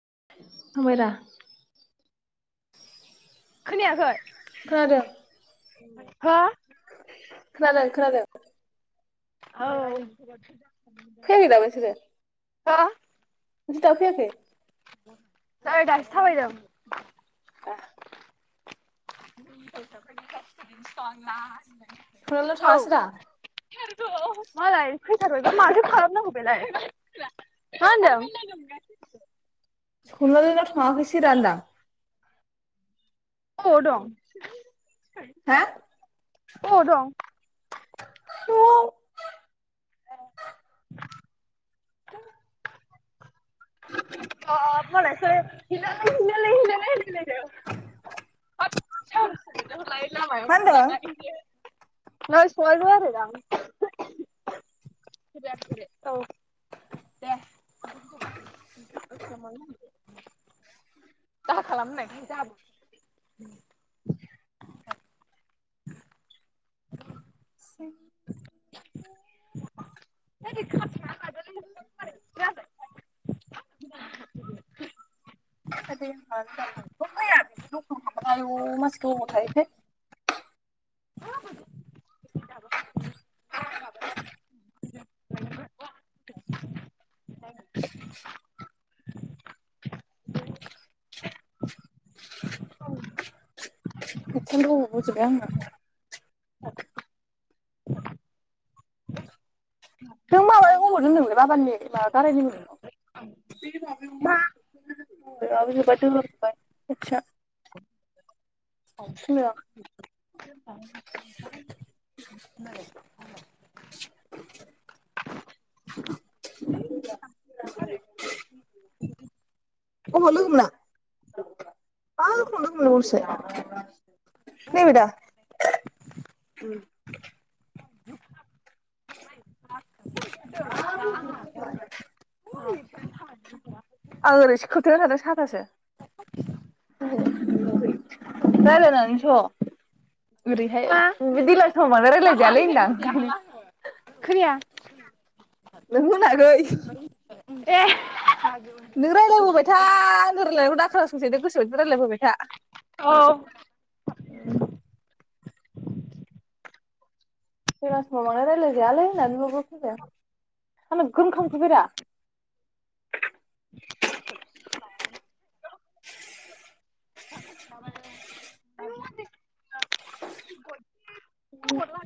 [unintelligible] खोनायाखै खोनादों हो खोनादों खोनादों औ फैयाखै दाबो नोंसोरो हा माथो दाबो फैयाखै नै दासो थाबायदों ए [inaudible] सनालिया औ थाङासैरा [unintelligible] मालाय फैथारबायबा माथो खालामनांगौ बेलाय [unintelligible] मा होनदों सनालिनाव थाफैसैरा होनदां अबाव दं हा अबाव दं न'आव बाब मालायसो [unintelligible] होनलायलायदों [unintelligible] लामायाव मा होनदों? [unintelligible] नै सनालिजों‌ रायलायदां [unintelligible] [unintelligible] दाखालाम होननायखौ [unintelligible] [inaudible] [unintelligible] ओरै खाबथाना लादोलै [unintelligible] [unintelligible] दाबो फैया बिनि दखानाव हाबबोनाया आयु मानसि गोबाव थायोथाय [unintelligible] [inaudible] [inaudible] हेदफन बावबोजोबबाय आंना। नों माबायाव हबरदों नोंलै बाबानि माबा गारायनि मुलिखौ मा जोब्बाय दालाब जोबबाय आथिंया [unintelligible] [inaudible] [inaudible] अबाव लोगो मोना [unintelligible] नैबेदा। मा [unintelligible] आं ओरैसो खोथायखादों साथासो रायज्लायनानैथ। ओरैहाय दिल समाव मानो रायलायजायालै होनदां ओंखायनो। खोनाया ओहो। नाखै एह नों रायजलायबोबाय था जों रायजलायनायाखौ दाखोनासंसै नों गोसोबायदि रायजलायबोबाय था। औ उम बेला समाव बांद्राय रायलायजायालै होननानै बाबबो फैदों आं नोगोथ ओंखाम उखैबाय रा।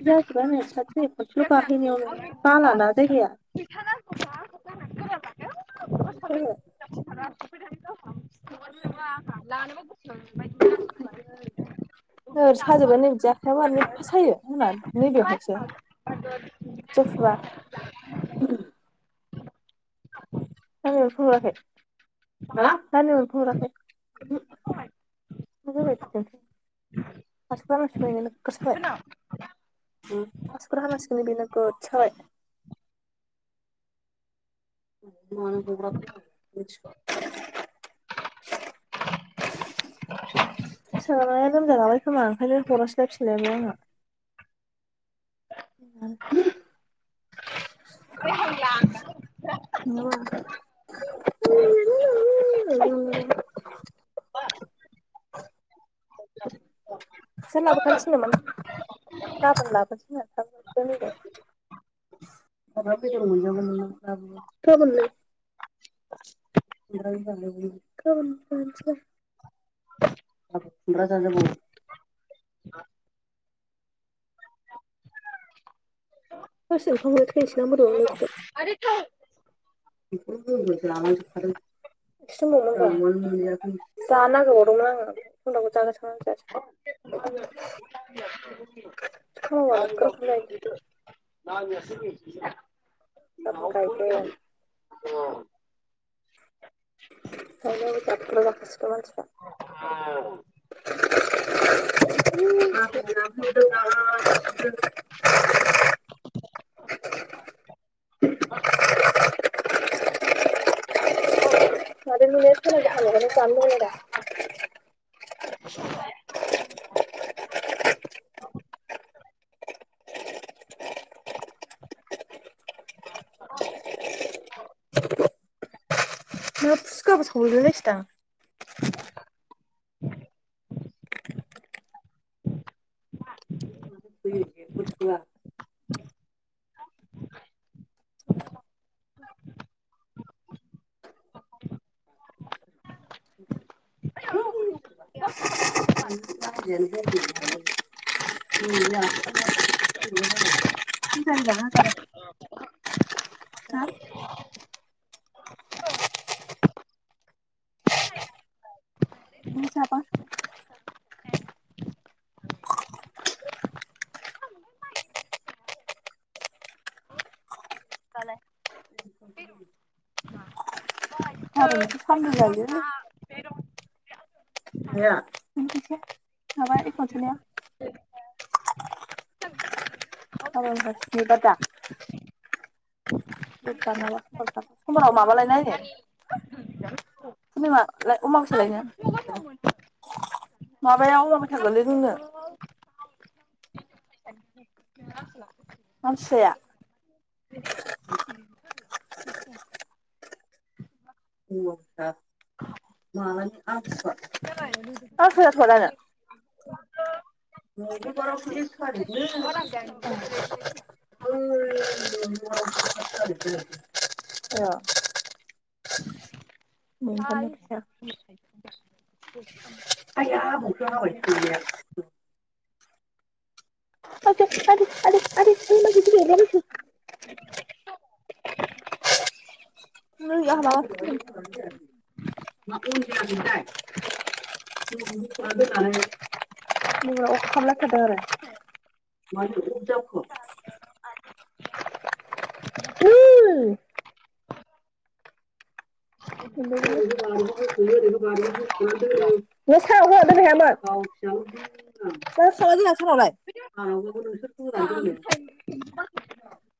जाजोबबाय नो सासे खनसेल गाहैनायावनो बाला ना खोनायाखै जायगाया। ओहो। [inaudible] नोगोद साजोबबाय नै बिदि आखाया मानो एफा सायो होनना नैबेयावहायसो खोथिया फुुबा। जानजियाव एम्फौ अराखै हा अरखै ओहो मा जाला जोबखो आसुगुर हानांसिगोन नैबे नोगोद साबाय हो आसुगुर हानांसिगोन नैबे नोगोद साबाय मानब [unintelligible] सानाया लोमजागाबाय खोमा ओंखायनो हरासैलाय फिनलायालै आंनो न [inaudible] [inaudible] [unintelligible] खुमब्राजों जानांगौमोन गाबोन जानोसै दाखि खुमब्रा जा-जाबावो। थोस ओंखाम उखैनाया थैसैलां बोरैबा मोनला जोबबाय आरो थौ। इसे दंबाउओमोनदा जानो नागेर बाउदोंमोन आंङो उनाव जानो नागेरबाय मोनजायासै खामानि मावबा नोगोर ओंखाम जायो दालिया सोरनि। गाबोन गायगोन। [inaudible] [unintelligible] यय माब फुसखाबो सावलाय लायसैदां बुजिया [unintelligible] फुंजानि जालां खाबाय फानलु लायदोलै माया नोंनि फैसाया माबा एकाउन सोनाया गाबोननिफाय स्नि बादा दुथा माबा समबाराव माबालायनो आयै फुनिमा लाइ अमाबैसा लायनो माबायाव अमाबैसा गोलैदों नो आमथिसुयाआ अमाबैसा मालानि आमथिसुवा आमथि हवा जाथवा दानो मंगलबारावसो एक थारिखनो [unintelligible] [unintelligible] मोनथारनोथ' [unintelligible] [unintelligible] [unintelligible] [unintelligible] [unintelligible] [unintelligible] [unintelligible]